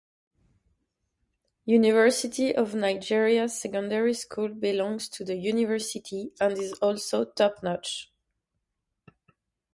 University of Nigeria Secondary School belongs to the university and is also top notch.